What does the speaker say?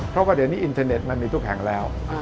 เพราะว่าเดี๋ยวนี้อินเทอร์เน็ตมันมีทุกแห่งแล้ว